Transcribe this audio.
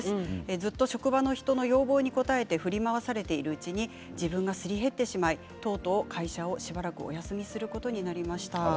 ずっと職場の人の要望に応えて振り回されているうちに自分がすり減ってしまいとうとう会社をしばらくお休みすることになりました。